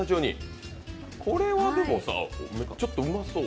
これはちょっとうまそう。